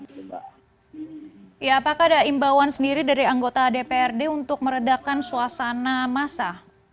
apakah ada imbauan sendiri dari anggota dprd untuk meredakan suasana masa